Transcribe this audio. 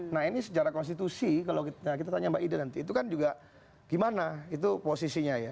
nah ini secara konstitusi kalau kita tanya mbak ida nanti itu kan juga gimana itu posisinya ya